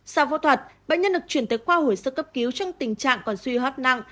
sau phẫu thuật bệnh nhân được chuyển tới khoa hồi sức cấp cứu trong tình trạng còn suy hóc nặng